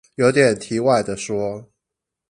有點題外的說